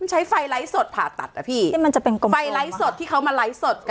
มันใช้ไฟไร้สดผ่าตัดอ่ะพี่ที่มันจะเป็นกลมโคมไฟไร้สดที่เขามาไร้สดกัน